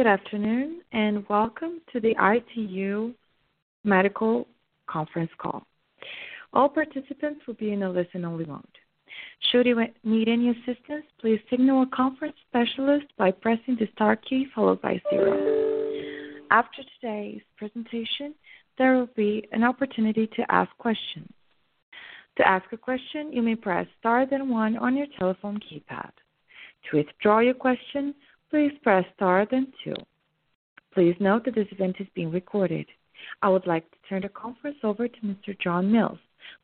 Good afternoon, welcome to the ICU Medical Conference Call. All participants will be in a listen-only mode. Should you need any assistance, please signal a conference specialist by pressing the * key followed by 0. After today's presentation, there will be an opportunity to ask questions. To ask a question, you may press * then 1 on your telephone keypad. To withdraw your question, please press * then 2. Please note that this event is being recorded. I would like to turn the conference over to Mr. John Mills,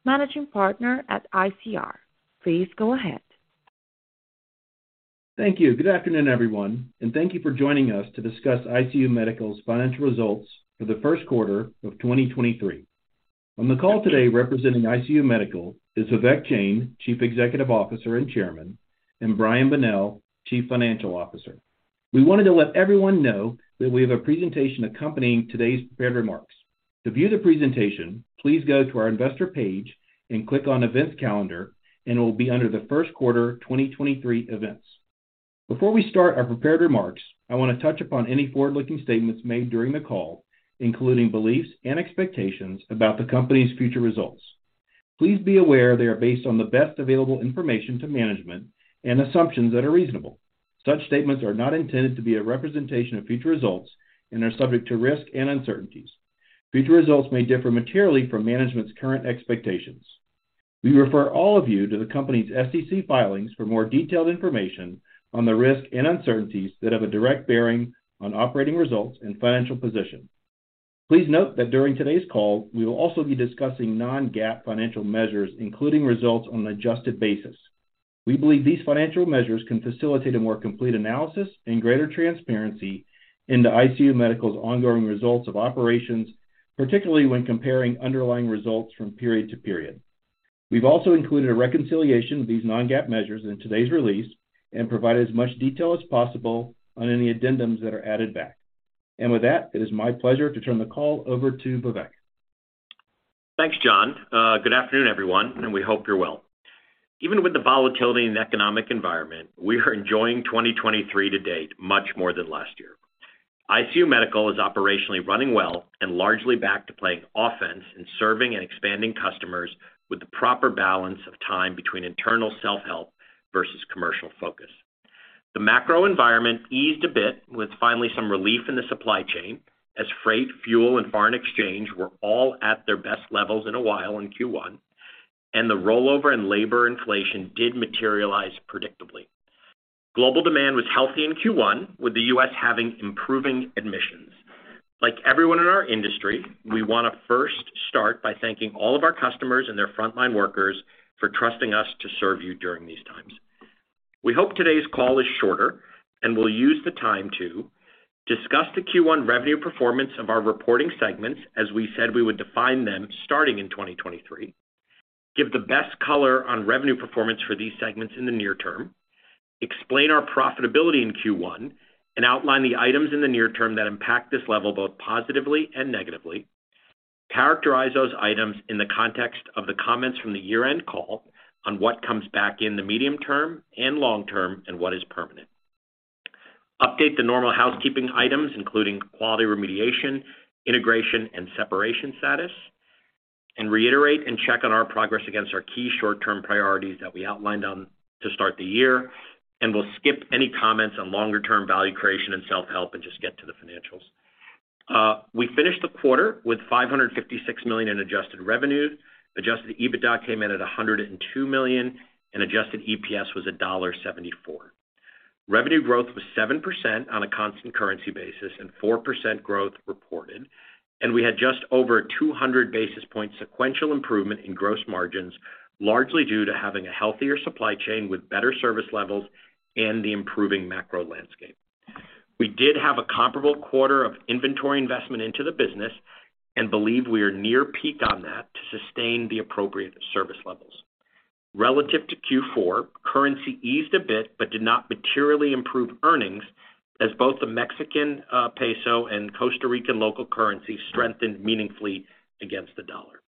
Managing Partner at ICR. Please go ahead. Thank you. Good afternoon, everyone, and thank you for joining us to discuss ICU Medical's financial results for the Q1 of 2023. On the call today representing ICU Medical is Vivek Jain, Chief Executive Officer and Chairman, and Brian Bonnell, Chief Financial Officer. We wanted to let everyone know that we have a presentation accompanying today's prepared remarks. To view the presentation, please go to our investor page and click on Events Calendar, and it will be under the Q1 2023 events. Before we start our prepared remarks, I want to touch upon any forward-looking statements made during the call, including beliefs and expectations about the company's future results. Please be aware they are based on the best available information to management and assumptions that are reasonable. Such statements are not intended to be a representation of future results and are subject to risk and uncertainties. Future results may differ materially from management's current expectations. We refer all of you to the company's SEC filings for more detailed information on the risk and uncertainties that have a direct bearing on operating results and financial position. Please note that during today's call, we will also be discussing non-GAAP financial measures, including results on an adjusted basis. We believe these financial measures can facilitate a more complete analysis and greater transparency into ICU Medical's ongoing results of operations, particularly when comparing underlying results from period to period. We've also included a reconciliation of these non-GAAP measures in today's release and provide as much detail as possible on any addendums that are added back. With that, it is my pleasure to turn the call over to Vivek. Thanks, John. Good afternoon, everyone, we hope you're well. Even with the volatility in the economic environment, we are enjoying 2023 to date much more than last year. ICU Medical is operationally running well and largely back to playing offense and serving and expanding customers with the proper balance of time between internal self-help versus commercial focus. The macro environment eased a bit with finally some relief in the supply chain as freight, fuel, and foreign exchange were all at their best levels in a while in Q1, the rollover in labor inflation did materialize predictably. Global demand was healthy in Q1, with the U.S. having improving admissions. Like everyone in our industry, we want to first start by thanking all of our customers and their frontline workers for trusting us to serve you during these times. We hope today's call is shorter, and we'll use the time to discuss the Q1 revenue performance of our reporting segments as we said we would define them starting in 2023, give the best color on revenue performance for these segments in the near term, explain our profitability in Q1 and outline the items in the near term that impact this level both positively and negatively, characterize those items in the context of the comments from the year-end call on what comes back in the medium term and long term and what is permanent. Update the normal housekeeping items, including quality remediation, integration and separation status, and reiterate and check on our progress against our key short-term priorities that we outlined on to start the year, and we'll skip any comments on longer-term value creation and self-help and just get to the financials. We finished the quarter with $556 million in adjusted revenue. Adjusted EBITDA came in at $102 million, and adjusted EPS was $1.74. Revenue growth was 7% on a constant currency basis and 4% growth was reported. We had just over 200 basis points of sequential improvement in gross margins, largely due to having a healthier supply chain with better service levels and the improving macro landscape. We did have a comparable quarter of inventory investment into the business and believe we are near peak on that to sustain the appropriate service levels. Relative to Q4, currency eased a bit but did not materially improve earnings as both the Mexican peso and Costa Rican local currency strengthened meaningfully against the dollar.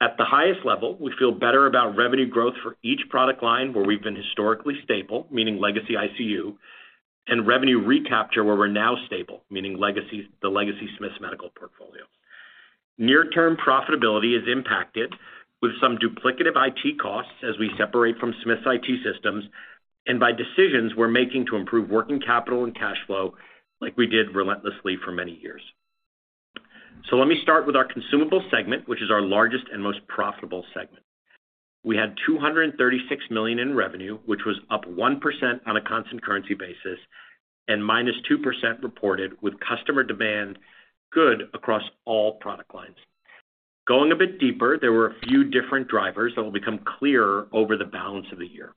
At the highest level, we feel better about revenue growth for each product line where we've been historically stable, meaning legacy ICU, and revenue recapture where we're now stable, meaning the legacy Smiths Medical portfolio. Near-term profitability is impacted with some duplicative IT costs as we separate from Smiths IT systems and by decisions we're making to improve working capital and cash flow like we did relentlessly for many years. Let me start with our consumable segment, which is our largest and most profitable segment. We had $236 million in revenue, which was up 1% on a constant currency basis and -2% reported with customer demand good across all product lines. Going a bit deeper, there were a few different drivers that will become clearer over the balance of the year.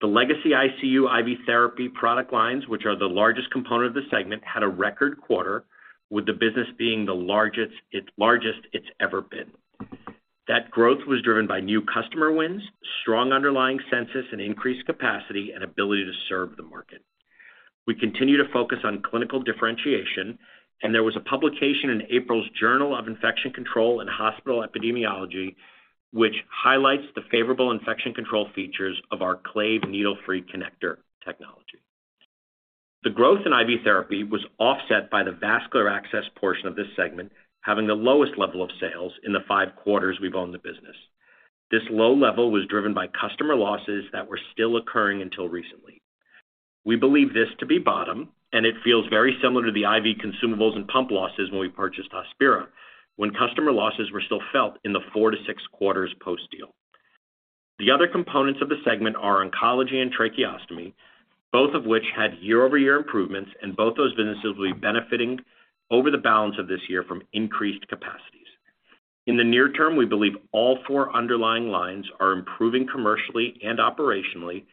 The legacy ICU IV therapy product lines, which are the largest component of the segment, had a record quarter, with the business being the largest it's ever been. That growth was driven by new customer wins, strong underlying census and increased capacity, and ability to serve the market. We continue to focus on clinical differentiation, and there was a publication in April's Journal of Infection Control and Hospital Epidemiology, which highlights the favorable infection control features of our Clave needle-free connector technology. The growth in IV therapy was offset by the vascular access portion of this segment, having the lowest level of sales in the 5 quarters we've owned the business. This low level was driven by customer losses that were still occurring until recently. We believe this to be the bottom. It feels very similar to the IV consumables and pump losses when we purchased Hospira, when customer losses were still felt in the 4 to 6 quarters post-deal. The other components of the segment are oncology and tracheostomy, both of which had year-over-year improvements. Both those businesses will be benefiting over the balance of this year from increased capacities. In the near term, we believe all 4 underlying lines are improving commercially and operationally.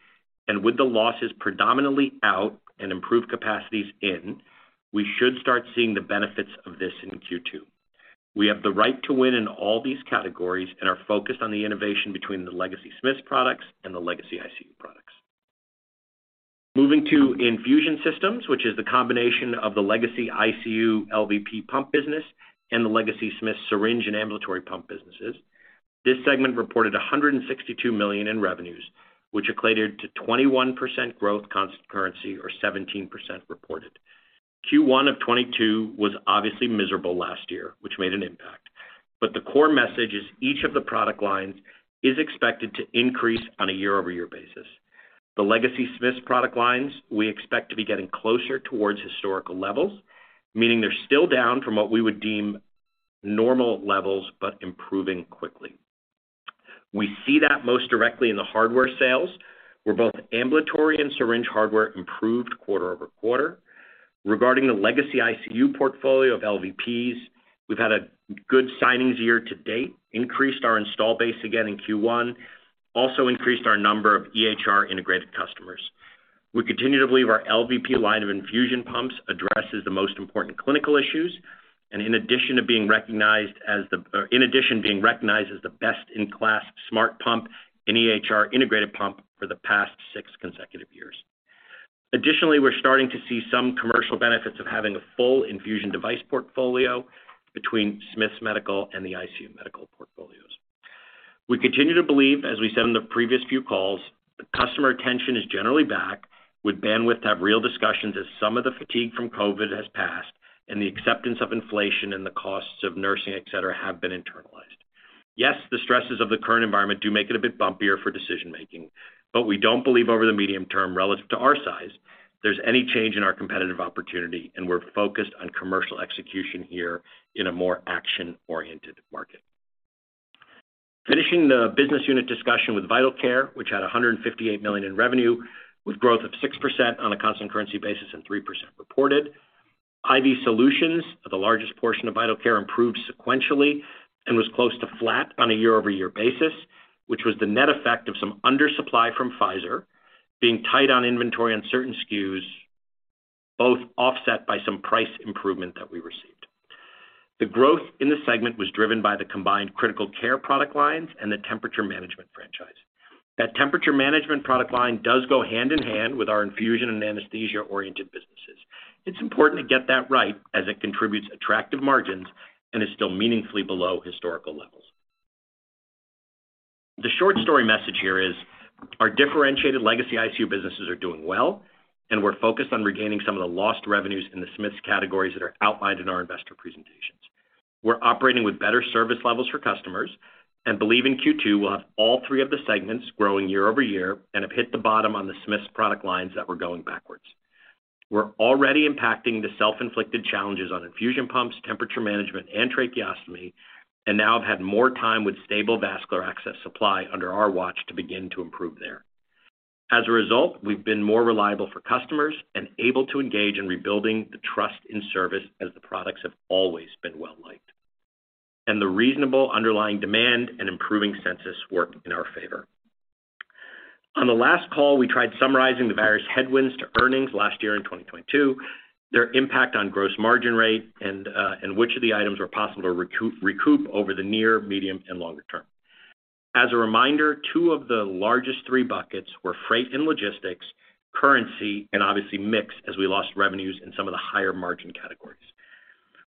With the losses predominantly out and improved capacities in, we should start seeing the benefits of this in Q2. We have the right to win in all these categories and are focused on the innovation between the legacy Smiths products and the legacy ICU products. Moving to infusion systems, which is the combination of the legacy ICU LVP pump business and the legacy Smiths syringe and ambulatory pump businesses. This segment reported $162 million in revenues, which equated to 21% growth constant currency, or 17% reported. Q1 of 2022 was obviously miserable last year, which made an impact. The core message is each of the product lines is expected to increase on a year-over-year basis. The legacy Smiths product lines we expect to be getting closer towards historical levels, meaning they're still down from what we would deem normal levels, but improving quickly. We see that most directly in the hardware sales, where both ambulatory and syringe hardware improved quarter-over-quarter. Regarding the legacy ICU portfolio of LVPs, we've had a good signings year to date, increased our install base again in Q1, also increased our number of EHR-integrated customers. We continue to believe our LVP line of infusion pumps addresses the most important clinical issues, in addition being recognized as the best-in-class smart pump and EHR-integrated pump for the past 6 consecutive years. We're starting to see some commercial benefits of having a full infusion device portfolio between Smiths Medical and the ICU Medical portfolios. We continue to believe, as we said on the previous few calls, that customer attention is generally back with bandwidth to have real discussions as some of the fatigue from COVID has passed and the acceptance of inflation and the costs of nursing, et cetera, have been internalized. Yes, the stresses of the current environment do make it a bit bumpier for decision-making, but we don't believe over the medium term, relative to our size, there's any change in our competitive opportunity, and we're focused on commercial execution here in a more action-oriented market. Finishing the business unit discussion with Vital Care, which had $158 million in revenue, with growth of 6% on a constant currency basis and 3% reported. IV Solutions, the largest portion of Vital Care, improved sequentially and was close to flat on a year-over-year basis, which was the net effect of some undersupply from Pfizer being tight on inventory on certain SKUs, both offset by some price improvement that we received. The growth in this segment was driven by the combined critical care product lines and the temperature management franchise. That temperature management product line does go hand in hand with our infusion and anesthesia-oriented businesses. It's important to get that right as it contributes attractive margins and is still meaningfully below historical levels. The short story message here is our differentiated legacy ICU businesses are doing well, and we're focused on regaining some of the lost revenues in the Smiths categories that are outlined in our investor presentations. We're operating with better service levels for customers and believe in Q2 we'll have all three of the segments growing year-over-year and have hit the bottom on the Smiths product lines that were going backwards. We're already impacting the self-inflicted challenges on infusion pumps, temperature management, and tracheostomy, and now have had more time with stable vascular access supply under our watch to begin to improve there. As a result, we've been more reliable for customers and able to engage in rebuilding the trust in service as the products have always been well-liked. The reasonable underlying demand and improving census work in our favor. On the last call, we tried summarizing the various headwinds to earnings last year in 2022, their impact on gross margin rate, and which of the items were possible to recoup over the near, medium, and longer term. As a reminder, 2 of the largest 3 buckets were freight and logistics, currency, and obviously mix as we lost revenues in some of the higher margin categories.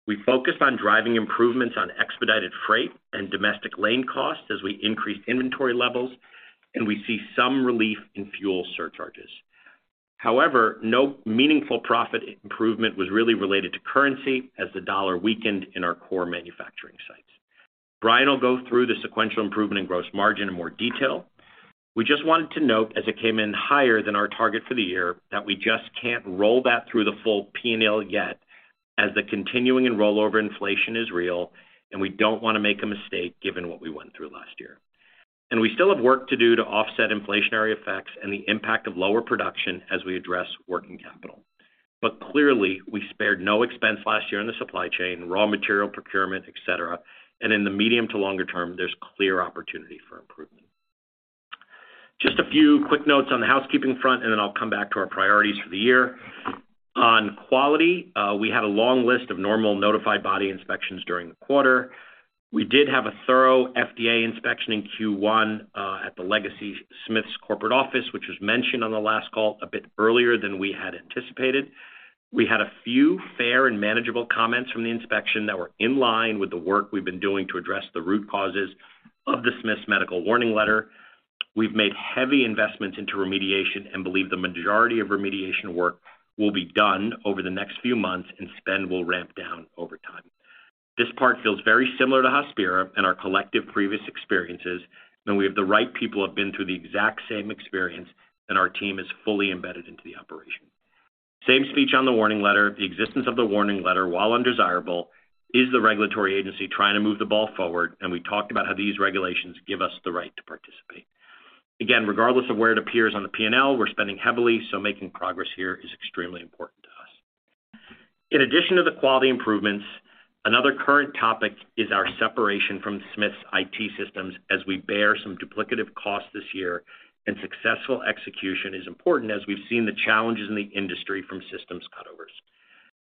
We focused on driving improvements on expedited freight and domestic lane costs as we increased inventory levels and we see some relief in fuel surcharges. No meaningful profit improvement was really related to currency as the dollar weakened in our core manufacturing sites. Brian will go through the sequential improvement in gross margin in more detail. We just wanted to note as it came in higher than our target for the year, that we just can't roll that through the full P&L yet as the continuing and rollover inflation is real, and we don't want to make a mistake given what we went through last year. We still have work to do to offset inflationary effects and the impact of lower production as we address working capital. Clearly, we spared no expense last year in the supply chain, raw material procurement, et cetera. In the medium to longer term, there's clear opportunity for improvement. Just a few quick notes on the housekeeping front, I'll come back to our priorities for the year. On quality, we had a long list of normal notified body inspections during the quarter. We did have a thorough FDA inspection in the Q1, at the legacy Smiths corporate office, which was mentioned on the last call a bit earlier than we had anticipated. We had a few fair and manageable comments from the inspection that were in line with the work we've been doing to address the root causes of the Smiths Medical warning letter. We've made heavy investments into remediation and believe the majority of remediation work will be done over the next few months, spending will ramp down over time. This part feels very similar to Hospira and our collective previous experiences, and we have the right people who have been through the exact same experience, and our team is fully embedded into the operation. Same speech on the warning letter. The existence of the warning letter, while undesirable, is the regulatory agency trying to move the ball forward, and we talked about how these regulations give us the right to participate. Again, regardless of where it appears on the P&L, we're spending heavily, so making progress here is extremely important to us. In addition to the quality improvements, another current topic is our separation from Smiths' IT systems as we bear some duplicative costs this year. Successful execution is important as we've seen the challenges in the industry from systems cutovers.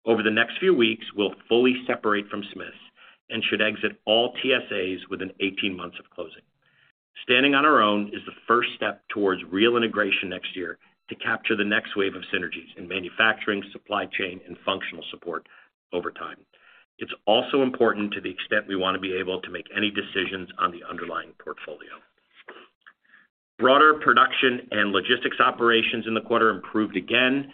Over the next few weeks, we'll fully separate from Smiths and should exit all TSAs within 18 months of closing. Standing on our own is the first step towards real integration next year to capture the next wave of synergies in manufacturing, supply chain, and functional support over time. It's also important to the extent we want to be able to make any decisions on the underlying portfolio. Broader production and logistics operations in the quarter improved again.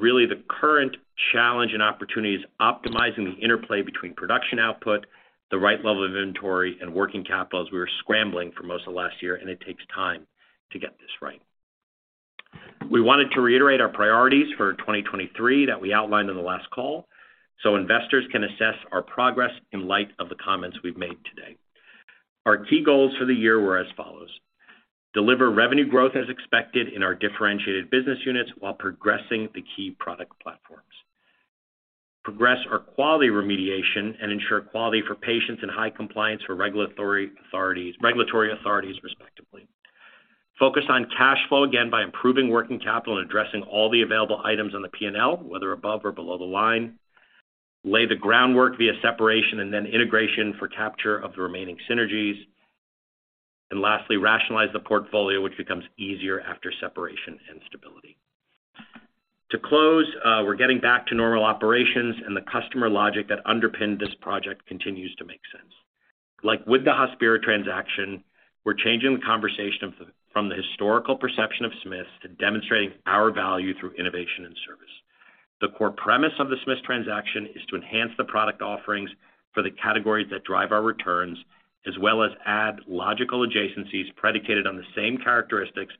Really the current challenge and opportunity is optimizing the interplay between production output, the right level of inventory, and working capital, as we were scrambling for most of last year, and it takes time to get this right. We wanted to reiterate our priorities for 2023 that we outlined on the last call, so investors can assess our progress in light of the comments we've made today. Our key goals for the year were as follows: Deliver revenue growth as expected in our differentiated business units while progressing the key product platforms. Progress our quality remediation and ensure quality for patients and high compliance for regulatory authorities, respectively. Focus on cash flow again by improving working capital and addressing all the available items on the P&L, whether above or below the line. Lay the groundwork via separation and then integration for capture of the remaining synergies. Lastly, rationalize the portfolio, which becomes easier after separation and stability. To close, we're getting back to normal operations, the customer logic that underpinned this project continues to make sense. Like with the Hospira transaction, we're changing the conversation from the historical perception of Smiths to demonstrating our value through innovation and service. The core premise of the Smiths transaction is to enhance the product offerings for the categories that drive our returns, as well as add logical adjacencies predicated on the same characteristics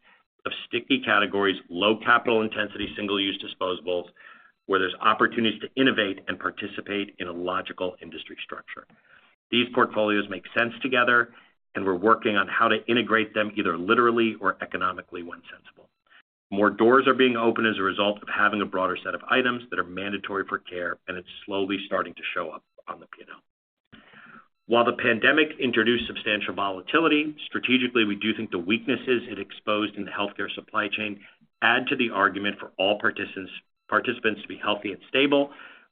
of sticky categories, low capital intensity, single-use disposables, where there's opportunities to innovate and participate in a logical industry structure. These portfolios make sense together. We're working on how to integrate them either literally or economically when it's sensible. More doors are being opened as a result of having a broader set of items that are mandatory for care, and it's slowly starting to show up on the P&L. While the pandemic introduced substantial volatility, strategically, we do think the weaknesses it exposed in the healthcare supply chain add to the argument for all participants to be healthy and stable,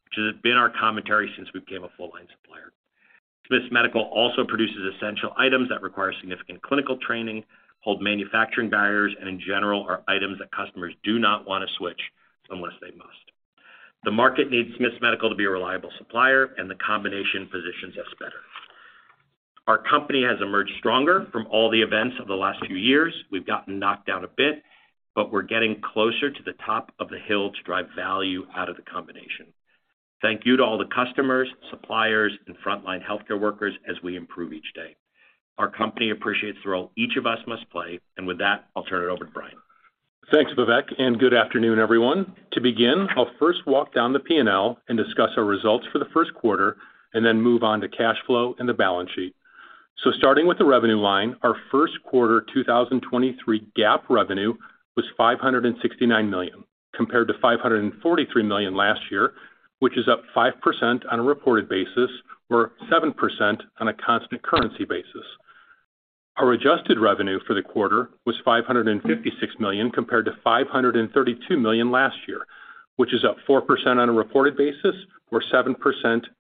which has been our commentary since we became a full line supplier. Smiths Medical also produces essential items that require significant clinical training, hold manufacturing barriers, and in general, are items that customers do not want to switch unless they must. The market needs Smiths Medical to be a reliable supplier, and the combination positions us better. Our company has emerged stronger from all the events of the last few years. We've gotten knocked down a bit, but we're getting closer to the top of the hill to drive value out of the combination. Thank you to all the customers, suppliers, and frontline healthcare workers as we improve each day. Our company appreciates the role each of us must play. With that, I'll turn it over to Brian. Thanks, Vivek, and good afternoon, everyone. To begin, I'll first walk down the P&L and discuss our results for the Q1 and then move on to cash flow and the balance sheet. Starting with the revenue line, our Q1 2023 GAAP revenue was $569 million, compared to $543 million last year, which is up 5% on a reported basis or 7% on a constant currency basis. Our adjusted revenue for the quarter was $556 million compared to $532 million last year, which is up 4% on a reported basis or 7%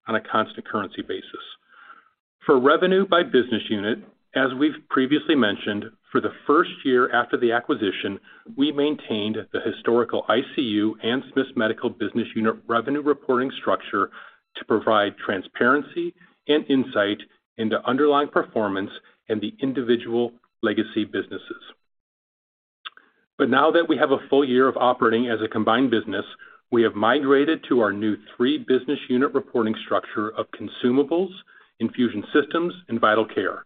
on a constant currency basis. For revenue by business unit, as we've previously mentioned, for the first year after the acquisition, we maintained the historical ICU and Smiths Medical business unit revenue reporting structure to provide transparency and insight into underlying performance in the individual legacy businesses. Now that we have a full year of operating as a combined business, we have migrated to our new 3-business-unit reporting structure of consumables, infusion systems, and Vital Care.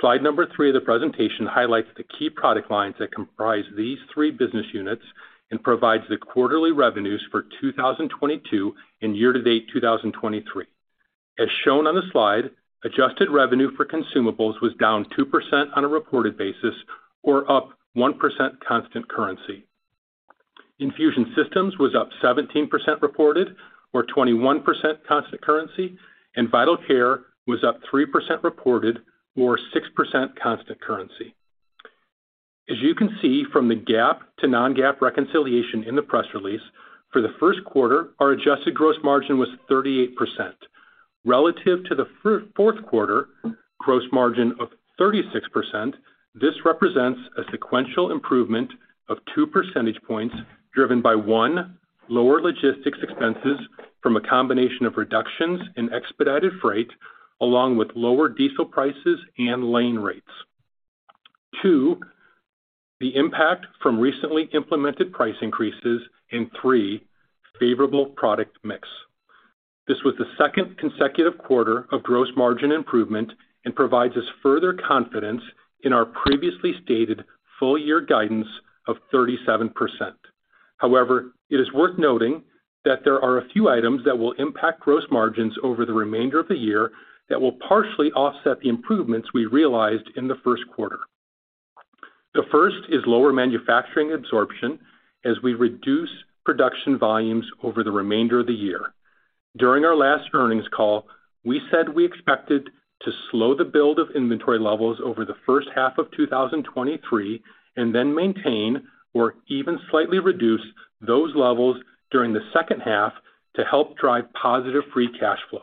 Slide number 3 of the presentation highlights the key product lines that comprise these 3-business-units and provides the quarterly revenues for 2022 and year-to-date 2023. As shown on the slide, adjusted revenue for consumables was down 2% on a reported basis or up 1% constant currency. Infusion systems was up 17% reported or 21% constant currency, and Vital Care was up 3% reported or 6% constant currency. As you can see from the GAAP to non-GAAP reconciliation in the press release, for the Q1, our adjusted gross margin was 38%. Relative to the Q4was gross margin of 36%, this represents a sequential improvement of 2 percentage points, driven by, 1, lower logistics expenses from a combination of reductions in expedited freight along with lower diesel prices and lane rates. 2, the impact from recently implemented price increases. 3, favorable product mix. This was the second consecutive quarter of gross margin improvement and provides us further confidence in our previously stated full-year guidance of 37%. However, it is worth noting that there are a few items that will impact gross margins over the remainder of the year that will partially offset the improvements we realized in the Q1. The first is lower manufacturing absorption as we reduce production volumes over the remainder of the year. During our last earnings call, we said we expected to slow the build of inventory levels over the first half of 2023, and then maintain or even slightly reduce those levels during the second half to help drive positive free cash flow.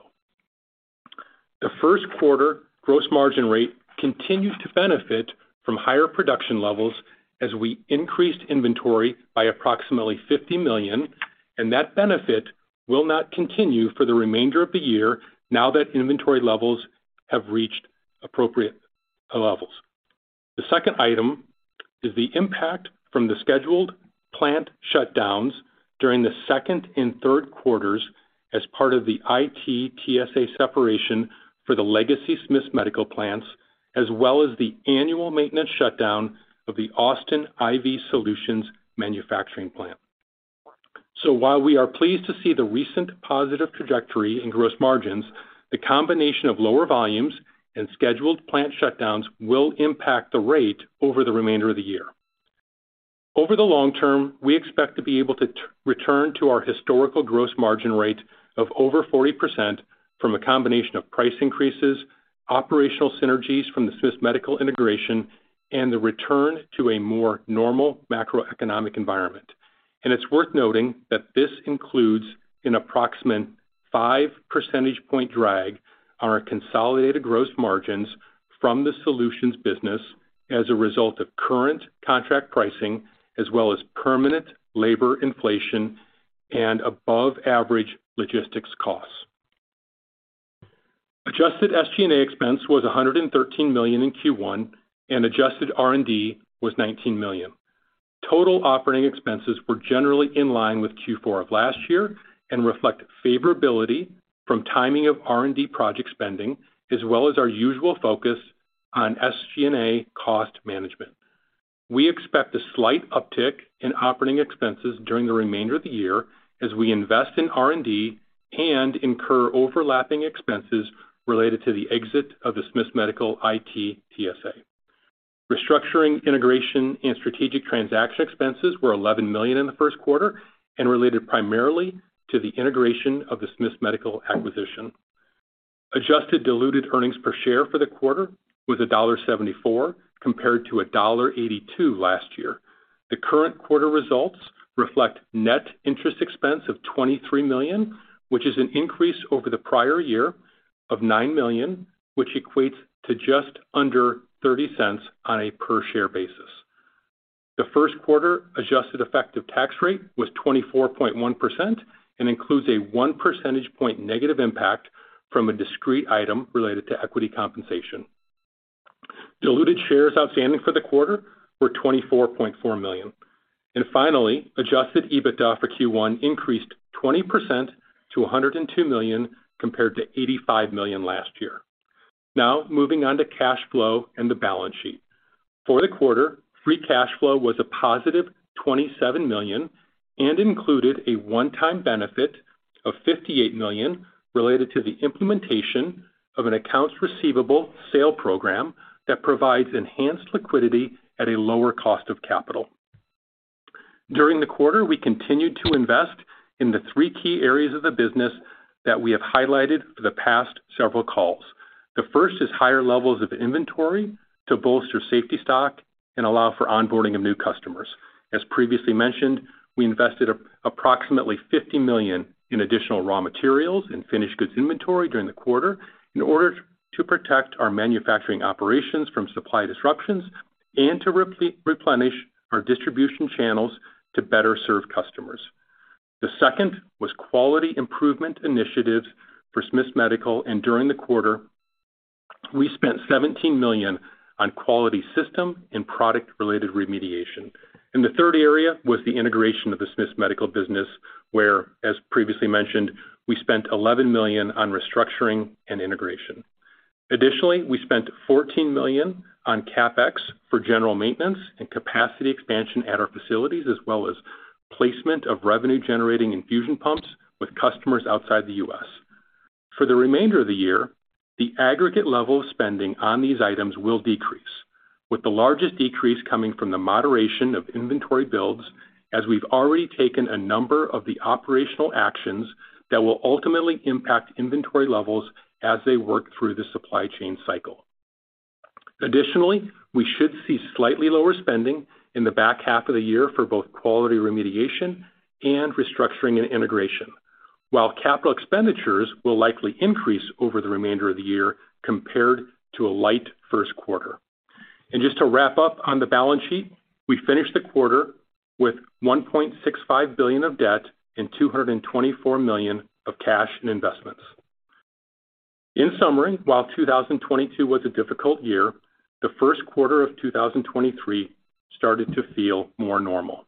The Q1 gross margin rate continued to benefit from higher production levels as we increased inventory by approximately $50 million, and that benefit will not continue for the remainder of the year now that inventory levels have reached appropriate levels. The second item is the impact from the scheduled plant shutdowns during the Q2 and Q3 as part of the IT TSA separation for the legacy Smiths Medical plants, as well as the annual maintenance shutdown of the Austin IV Solutions manufacturing plant. While we are pleased to see the recent positive trajectory in gross margins, the combination of lower volumes and scheduled plant shutdowns will impact the rate over the remainder of the year. Over the long term, we expect to be able to return to our historical gross margin rate of over 40% from a combination of price increases, operational synergies from the Smiths Medical integration, and the return to a more normal macroeconomic environment. It's worth noting that this includes an approximate 5 percentage point drag on our consolidated gross margins from the solutions business as a result of current contract pricing, as well as permanent labor inflation and above-average logistics costs. Adjusted SG&A expense was $113 million in Q1, and adjusted R&D was $19 million. Total operating expenses were generally in line with Q4 of last year and reflect favorability from the timing of R&D project spending, as well as our usual focus on SG&A cost management. We expect a slight uptick in operating expenses during the remainder of the year as we invest in R&D and incur overlapping expenses related to the exit of the Smiths Medical IT TSA. Restructuring, integration, and strategic transaction expenses were $11 million in the Q1 and related primarily to the integration of the Smiths Medical acquisition. Adjusted diluted earnings per share for the quarter was $1.74 compared to $1.82 last year. The current quarter results reflect net interest expense of $23 million, which is an increase over the prior year of $9 million, which equates to just under $0.30 on a per share basis. The Q1 adjusted effective tax rate was 24.1% and includes a 1 percentage point negative impact from a discrete item related to equity compensation. Diluted shares outstanding for the quarter were 24.4 million. Finally, adjusted EBITDA for Q1 increased 20% to $102 million compared to $85 million last year. Moving on to cash flow and the balance sheet. For the quarter, free cash flow was a positive $27 million and included a one-time benefit of $58 million related to the implementation of an accounts receivable sale program that provides enhanced liquidity at a lower cost of capital. During the quarter, we continued to invest in the three key areas of the business that we have highlighted for the past several calls. The first is higher levels of inventory to bolster safety stock and allow for the onboarding of new customers. As previously mentioned, we invested approximately $50 million in additional raw materials and finished goods inventory during the quarter in order to protect our manufacturing operations from supply disruptions and to replenish our distribution channels to better serve customers. The second was quality improvement initiatives for Smiths Medical. During the quarter, we spent $17 million on quality system and product-related remediation. The third area was the integration of the Smiths Medical business, where, as previously mentioned, we spent $11 million on restructuring and integration. Additionally, we spent $14 million on CapEx for general maintenance and capacity expansion at our facilities, as well as placement of revenue-generating infusion pumps with customers outside the U.S. For the remainder of the year, the aggregate level of spending on these items will decrease, with the largest decrease coming from the moderation of inventory builds, as we've already taken a number of operational actions that will ultimately impact inventory levels as they work through the supply chain cycle. Additionally, we should see slightly lower spending in the back half of the year for both quality remediation and restructuring and integration. While capital expenditures will likely increase over the remainder of the year compared to a light Q1. Just to wrap up on the balance sheet, we finished the quarter with $1.65 billion of debt and $224 million of cash and investments. In summary, while 2022 was a difficult year, the Q1 of 2023 started to feel more normal.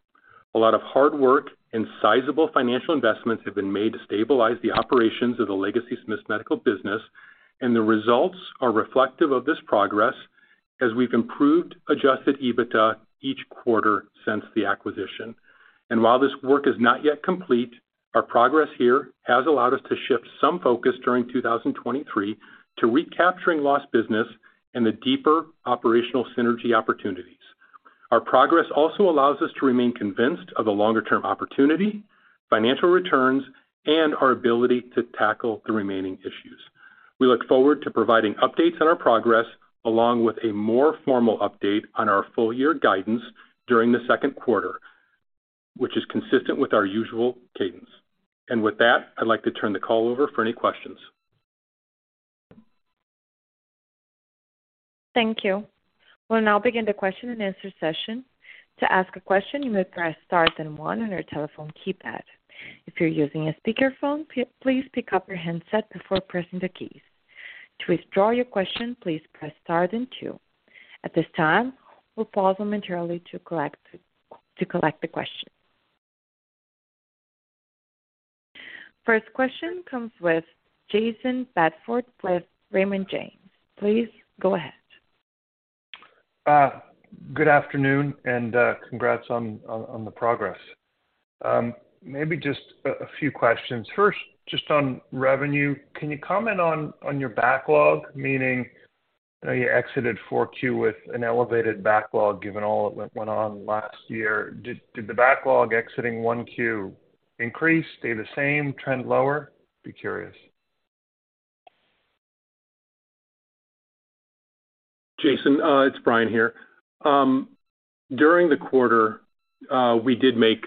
A lot of hard work and sizable financial investments have been made to stabilize the operations of the legacy Smiths Medical business, and the results are reflective of this progress as we've improved adjusted EBITDA each quarter since the acquisition. While this work is not yet complete, our progress here has allowed us to shift some focus during 2023 to recapturing lost business and the deeper operational synergy opportunities. Our progress also allows us to remain convinced of the longer-term opportunity, financial returns, and our ability to tackle the remaining issues. We look forward to providing updates on our progress along with a more formal update on our full-,year guidance during the Q2, which is consistent with our usual cadence. With that, I'd like to turn the call over for any questions. Thank you. We'll now begin the question-and-answer session. To ask a question, you may press * then 1 on your telephone keypad. If you're using a speakerphone, please pick up your handset before pressing the keys. To withdraw your question, please press * then 2. At this time, we'll pause momentarily to collect the question. First question comes with Jayson Bedford with Raymond James. Please go ahead. Good afternoon. Congrats on the progress. Maybe just a few questions. First, just on revenue. Can you comment on your backlog, meaning, I know you exited 4Q with an elevated backlog given all that went on last year. Did the backlog, exiting 1Q increase, stay the same, or trend lower? Be curious. Jason, it's Brian here. During the quarter, we did make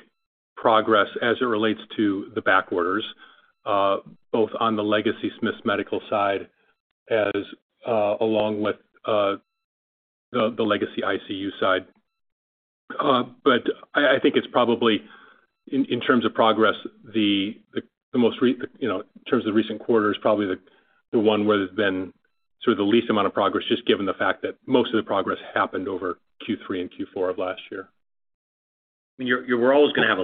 progress as it relates to the back orders, both on the legacy Smiths Medical side as along with the legacy ICU side. I think it's probably in terms of progress, the most, you know, in terms of recent quarters, probably the one where there's been sort of the least amount of progress, just given the fact that most of the progress happened over Q3 and Q4 of last year. There's always gonna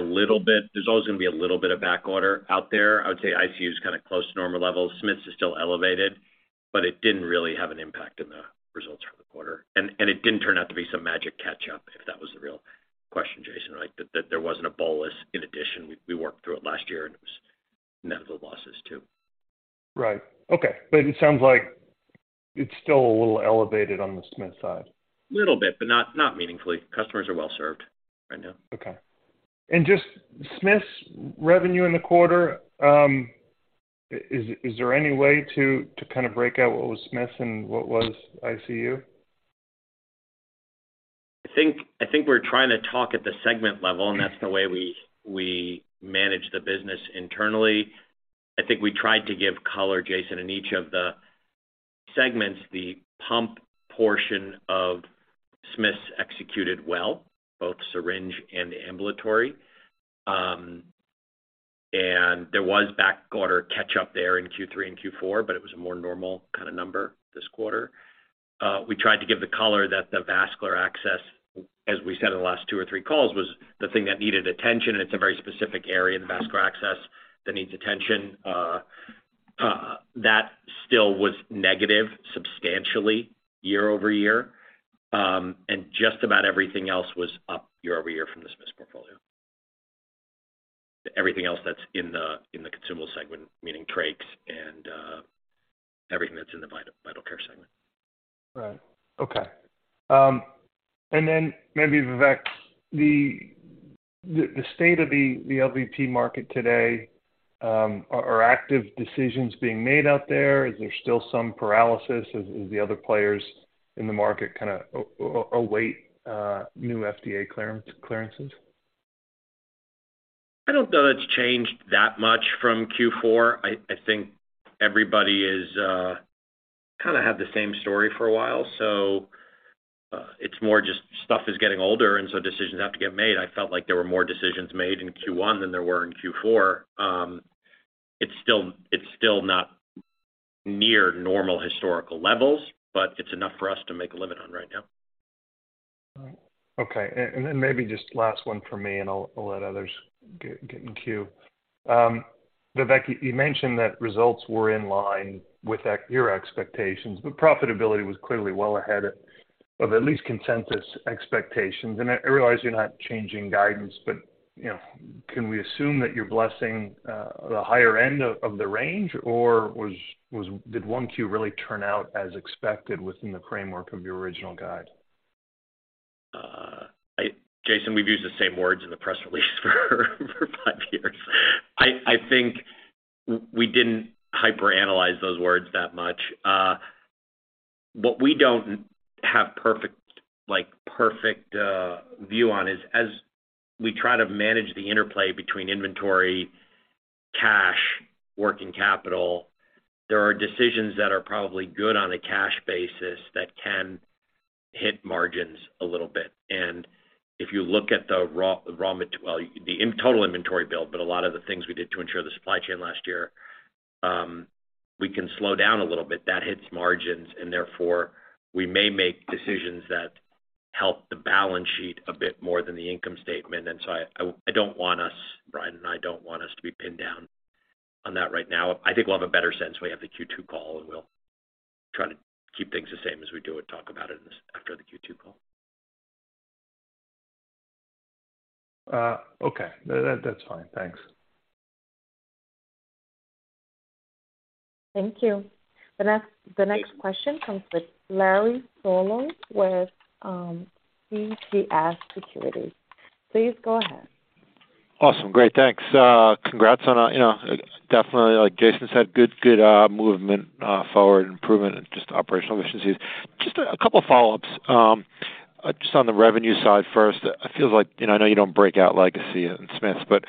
be a little bit of back order out there. I would say ICU is kind of close to normal levels. Smiths is still elevated, but it didn't really have an impact in the results for the quarter. It didn't turn out to be some magic catch-up, if that was the real question, Jayson, right? That there wasn't a bolus in addition. We worked through it last year, and it was net of the losses too. Right. Okay. It sounds like it's still a little elevated on the Smiths side. Little bit, but not meaningfully. Customers are well served right now. Okay. just Smiths revenue in the quarter, is there any way to kind of break out what was Smiths and what was ICU? I think we're trying to talk at the segment level, and that's the way we manage the business internally. I think we tried to give color, Jason, in each of the segments, the pump portion of Smiths executed well, both syringe and ambulatory. There was back order catch-up there in Q3 and Q4, but it was a more normal kinda number this quarter. We tried to give the color that the vascular access, as we said in the last two or three calls, was the thing that needed attention, and it's a very specific area in vascular access that needs attention. That still was negative substantially year-over-year. Just about everything else was up year-over-year from the Smiths portfolio. Everything else that's in the, in the consumable segment, meaning trachs and, everything that's in the Vital Care segment. Right. Okay. Maybe, Vivek, the state of the LVP market today, are active decisions being made out there? Is there still some paralysis as the other players in the market kinda await new FDA clearance, clearances? I don't know that it's changed that much from Q4. I think everybody is kinda have the same story for a while. It's more just stuff is getting older, and so decisions have to get made. I felt like there were more decisions made in Q1 than there were in Q4. It's still not near normal historical levels, but it's enough for us to make a living on right now. All right. Okay. Then maybe just last one for me, I'll let others get in the queue. Vivek, you mentioned that results were in line with your expectations, and profitability was clearly well ahead of at least consensus expectations. I realize you're not changing guidance, you know, can we assume that you're blessing the higher end of the range, or was did 1Q really turn out as expected within the framework of your original guide? Jason, we've used the same words in the press release for five years. I think we didn't hyper-analyze those words that much. What we don't have a perfect view on is as we try to manage the interplay between inventory, cash, working capital, there are decisions that are probably good on a cash basis that can hit margins a little bit. If you look at the raw total inventory build, but a lot of the things we did to ensure the supply chain last year, we can slow down a little bit. That hits margins, and therefore, we may make decisions that help the balance sheet a bit more than the income statement. I don't want us, Brian, and I don't want us to be pinned down on that right now. I think we'll have a better sense when we have the Q2 call, and we'll try to keep things the same as we do it, talk about it after the Q2 call. Okay. That's fine. Thanks. Thank you. The next question comes with Larry Solow with CJS Securities. Please go ahead. Awesome. Great. Thanks. Congrats on, you know, definitely, like Jayson said, good movement forward, improvement and just operational efficiencies. Just a couple of follow-ups. Just on the revenue side first, it feels like, you know, I know you don't break out Legacy and Smiths, but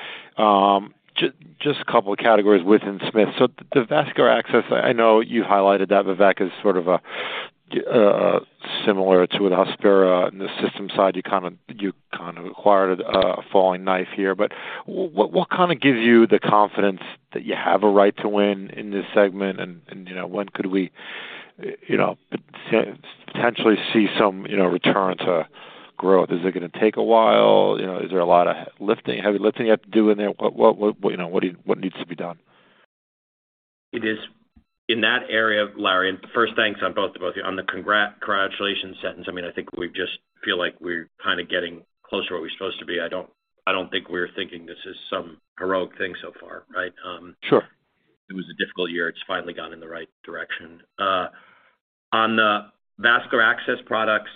just a couple of categories within Smiths. The vascular access, I know you highlighted that, Vivek, as sort of a similar to with Hospira and the systems side, you kind of acquired a falling knife here. What kind of gives you the confidence that you have a right to win in this segment? You know, when could we, you know, potentially see some, you know, return to growth? Is it gonna take a while? You know, is there a lot of lifting, heavy lifting you have to do in there? What, you know, what needs to be done? It is. In that area, Larry, First, thanks on both. On the congratulations sentence, I mean, I think we just feel like we're kind of getting closer to where we're supposed to be. I don't think we're thinking this is some heroic thing so far, right? Sure. It was a difficult year. It's finally gone in the right direction. On the vascular access products,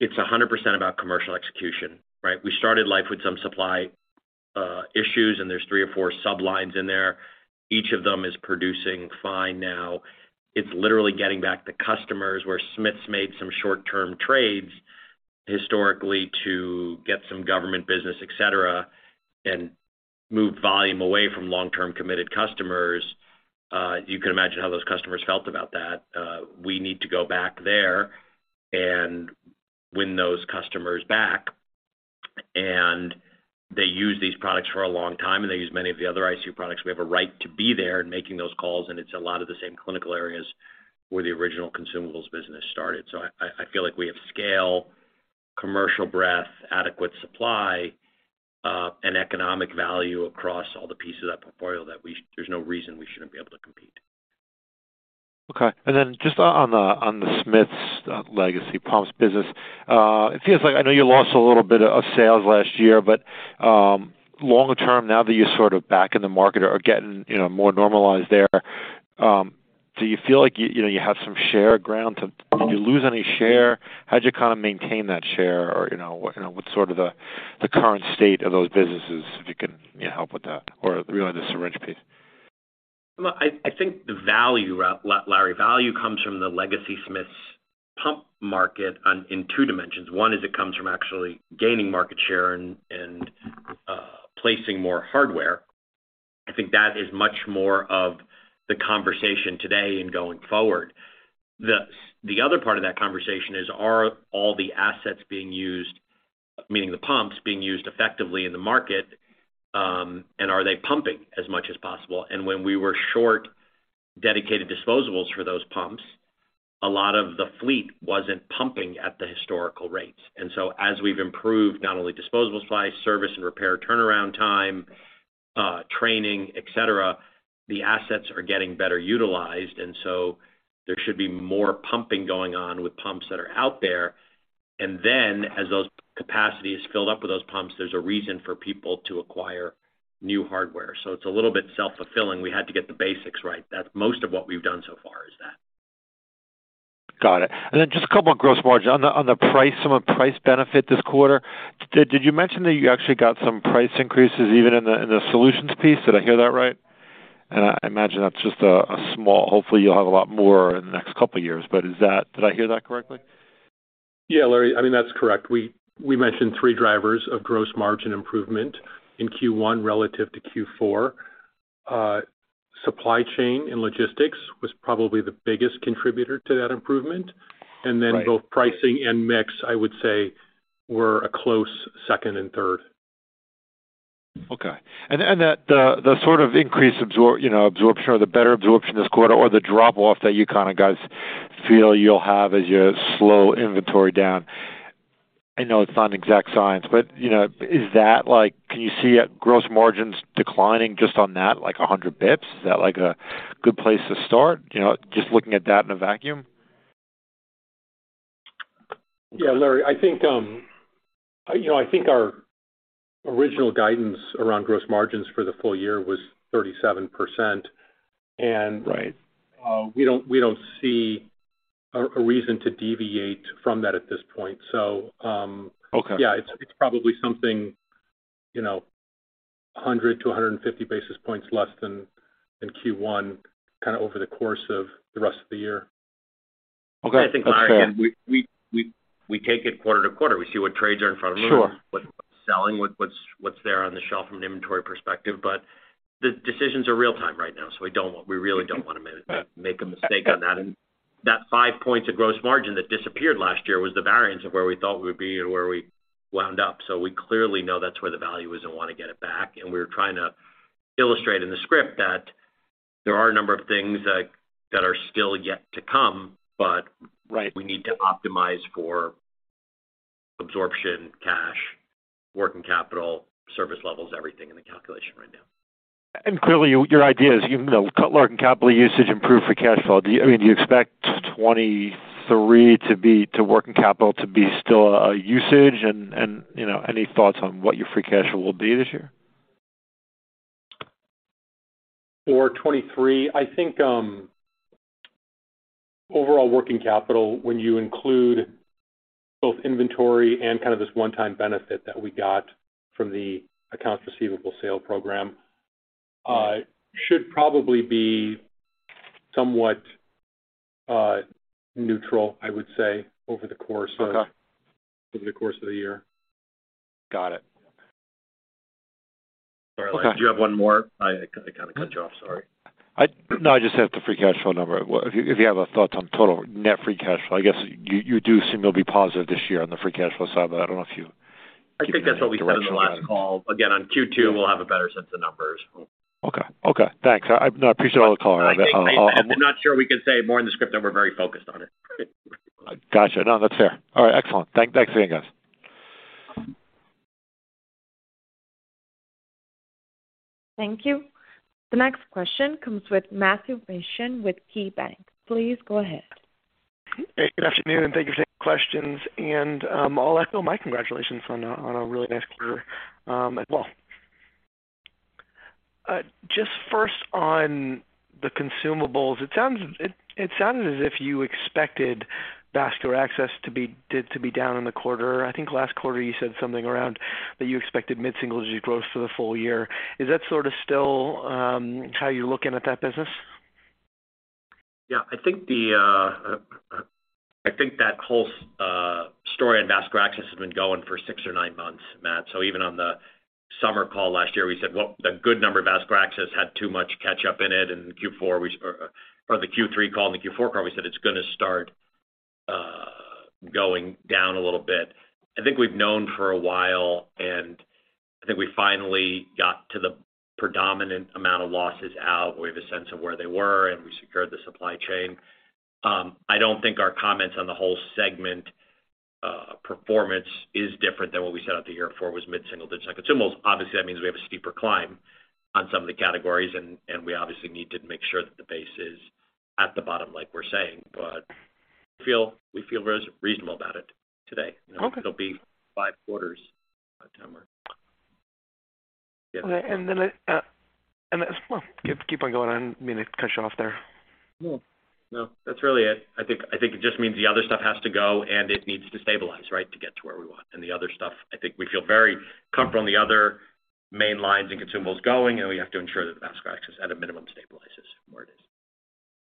it's 100% about commercial execution, right? We started life with some supply issues, and there's 3 or 4 sub-lines in there. Each of them is producing fine now. It's literally getting back to customers where Smiths made some short-term trades historically to get some government business, et cetera, and move volume away from long-term committed customers. You can imagine how those customers felt about that. We need to go back there and win those customers back. They used these products for a long time, and they used many of the other ICU products. We have a right to be there and making those calls, and it's a lot of the same clinical areas where the original consumables business started. I feel like we have scale, commercial breadth, adequate supply, and economic value across all the pieces of that portfolio there's no reason we shouldn't be able to compete. Okay. Just on the Smiths legacy pumps business, it feels like I know you lost a little bit of sales last year, but longer term, now that you're sort of back in the market or getting, you know, more normalized there, do you feel like you know, you have some share ground? Did you lose any sharesonon? How'd you kind of maintain that share? Or, you know, what's sort of the current state of those businesses, if you can, you know, help with that, or really the syringe piece? I think the value, Larry Solow, value comes from the Legacy Smiths pump market in two dimensions. One is it comes from actually gaining market share and placing more hardware. I think that is much more of the conversation today and going forward. The other part of that conversation is, are all the assets being used, meaning the pumps, being used effectively in the market, and are they pumping as much as possible? When we were short on dedicated disposables for those pumps, a lot of the fleet wasn't pumping at the historical rates. As we've improved not only disposable supply, service and repair turnaround time, training, et cetera, the assets are getting better utilized, and so there should be more pumping going on with pumps that are out there. As those capacities filled up with those pumps, there's a reason for people to acquire new hardware. It's a little bit self-fulfilling. We had to get the basics right. That's most of what we've done so far is that. Got it. Just a couple of gross margins. On the price, some of the price benefits this quarter, did you mention that you actually got some price increases even in the Solutions piece? Did I hear that right? I imagine that's just a small... Hopefully, you'll have a lot more in the next couple of years. Did I hear that correctly? Yeah, Larry Solow, I mean, that's correct. We mentioned 3 drivers of gross margin improvement in Q1 relative to Q4. Supply chain and logistics was probably the biggest contributors to that improvement. Right. Both pricing and mix, I would say, were a close second and third. Okay. That the sort of increased you know, absorption or the better absorption this quarter or the drop-off that you kind of guys feel you'll have as you slow inventory down, I know it's not an exact science, but, you know, is that can you see gross margins declining just on that, like 100 BPS? Is that like a good place to start, you know, just looking at that in a vacuum? Yeah, Larry, I think, you know, I think original guidance around gross margins for the full year was 37%. Right. We don't see a reason to deviate from that at this point. Okay. Yeah, it's probably something, you know, 100-150 basis points less than in Q1, kinda over the course of the rest of the year. Okay. That's fair. I think, Brian, we take it quarter to quarter. We see what trades are in front of them. Sure. What's selling, what's there on the shelf from an inventory perspective. The decisions are real-time right now, so we really don't wanna make a mistake on that. That 5 points of gross margin that disappeared last year was the variance of where we thought we would be and where we wound up. We clearly know that's where the value is and wanna get it back, and we're trying to illustrate in the script that there are a number of things that are still yet to come. Right. We need to optimize for absorption, cash, working capital, service levels, everything in the calculation right now. Clearly your idea is, you know, cut working capital usage, improve for cash flow. I mean, do you expect 2023 to working capital to be still a usage and, you know, any thoughts on what your free cash flow will be this year? For 2023, I think, overall working capital, when you include both inventory and kind of this one-time benefit that we got from the accounts receivable sale program, should probably be somewhat neutral, I would say, over the course of. Okay. Over the course of the year. Got it. Sorry, did you have one more? I kinda cut you off. Sorry. No, I just have the free cash flow number. If you have a thought on the total net free cash flow. I guess you do seem you'll be positive this year on the free cash flow side, but I don't know. I think that's what we said on the last call. Again, on Q2, we'll have a better sense of numbers. Okay. Thanks. No, I appreciate all the color. I think I'm not sure we can say more in the script that we're very focused on it. Gotcha. No, that's fair. All right. Excellent. Thanks for seeing us. Thank you. The next question comes with Matthew Mishan with KeyBanc. Please go ahead. Hey, good afternoon. Thank you for taking questions. I'll echo my congratulations on a really nice quarter as well. Just first on the consumables, it sounded as if you expected vascular access to be down in the quarter. I think last quarter you said something around that you expected mid-single digit growth for the full year. Is that sort of still how you're looking at that business? Yeah. I think the, I think that whole story on vascular access has been going for six or nine months, Matt. Even on the summer call last year, we said, well, the good number of vascular access had too much catch-up in it. In Q4 or the Q3 call and the Q4 call, we said it's gonna start going down a little bit. I think we've known for a while, and I think we finally got to the predominant amount of losses out. We have a sense of where they were, and we secured the supply chain. I don't think our comments on the whole segment performance is different than what we set out the year before was mid-single digit consumables. That means we have a steeper climb on some of the categories and we obviously need to make sure that the base is at the bottom like we're saying. We feel reasonable about it today. Okay. It'll be 5 quarters by the time we're... Okay. Then... Well, keep on going. I didn't mean to cut you off there. No, no, that's really it. I think it just means the other stuff has to go, and it needs to stabilize, right? To get to where we want. The other stuff, I think we feel very comfortable on the other main lines and consumables going, and we have to ensure that the vascular access at a minimum stabilizes from where it is.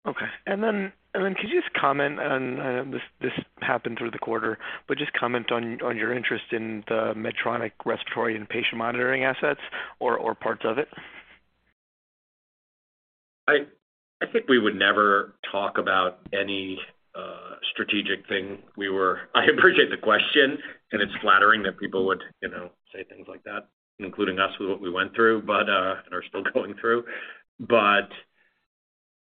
Okay. Then could you just comment on This happened through the quarter, but just comment on your interest in the Medtronic respiratory and patient monitoring assets or parts of it. I think we would never talk about any strategic thing. I appreciate the question, and it's flattering that people would, you know, say things like that, including us with what we went through, but and are still going through.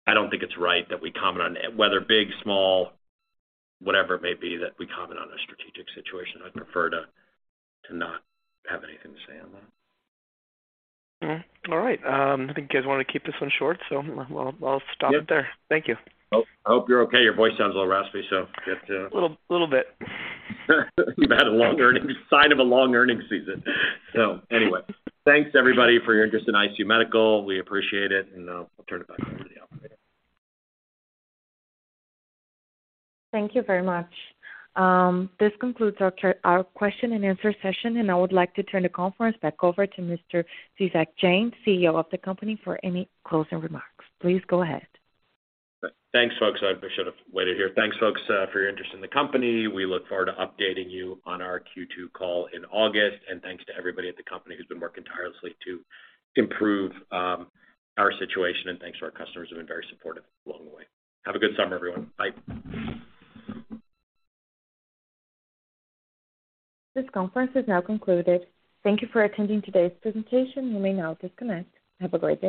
I don't think it's right that we comment on whether big, small, whatever it may be, that we comment on a strategic situation. I'd prefer to not have anything to say on that. All right. I think you guys wanna keep this one short, so I'll stop it there. Thank you. I hope you're okay. Your voice sounds a little raspy. A little bit. You've had a long earnings season. Anyway, thanks to everybody for your interest in ICU Medical. We appreciate it. I'll turn it back over to the operator. Thank you very much. This concludes our question and answer session, and I would like to turn the conference back over to Mr. Vivek Jain, CEO of the company, for any closing remarks. Please go ahead. Thanks, folks. I should have waited here. Thanks folks, for your interest in the company. We look forward to updating you on our Q2 call in August. Thanks to everybody at the company who's been working tirelessly to improve our situation, and thanks to our customers who have been very supportive along the way. Have a good summer, everyone. Bye. This conference is now concluded. Thank you for attending today's presentation. You may now disconnect. Have a great day.